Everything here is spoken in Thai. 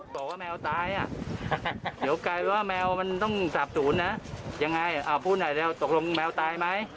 บอกว่าแมวตายอ่ะเดี๋ยวกลายว่าแมวมันต้องสาบศูนย์นะยังไงพูดหน่อยเร็วตกลงแมวตายไหม